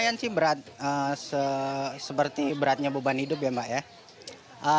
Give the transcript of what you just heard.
ini berat seperti beratnya beban hidup ya mbak ya